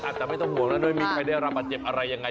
อาจจะไม่ต้องห่วงแล้วด้วยมีใครได้รับบาดเจ็บอะไรยังไง